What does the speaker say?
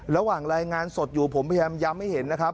รายงานสดอยู่ผมพยายามย้ำให้เห็นนะครับ